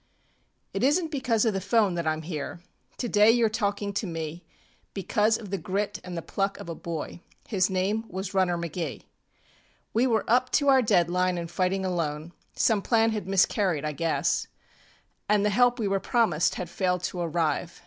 ŌĆ£It isnŌĆÖt because of the ŌĆÖphone that IŌĆÖm here. Today you are talking to me Because of the grit and the pluck of a boy. His title was Runner McGee. We were up to our dead line anŌĆÖ fighting alone; Some plan had miscarried, I guess, And the help we were promised had failed to arrive.